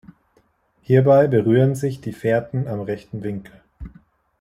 Hierbei berühren sich die Fährten am rechten Winkel.